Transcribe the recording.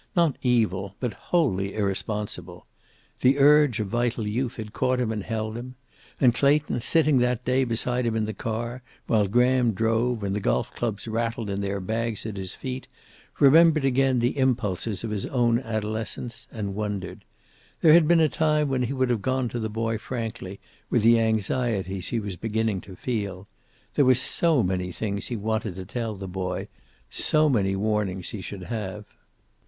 Not evil, but wholly irresponsible. The urge of vital youth had caught him and held him. And Clayton, sitting that day beside him in the car, while Graham drove and the golf clubs rattled in their bags at his feet, remembered again the impulses of his own adolescence, and wondered. There had been a time when he would have gone to the boy frankly, with the anxieties he was beginning to feel. There were so many things he wanted to tell the boy. So many warnings he should have.